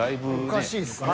おかしいですね。